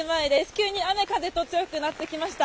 急に雨風と強くなってきました。